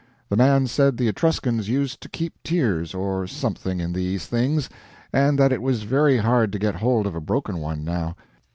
The man said the Etruscans used to keep tears or something in these things, and that it was very hard to get hold of a broken one, now.